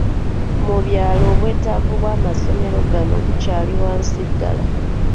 Mu byalo obwetaavu bw’amasomero gano bukyali wansi ddala.